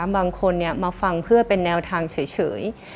บางคนมาฟังเพื่อเป็นแนวทางเฉย